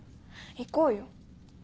行こうよ。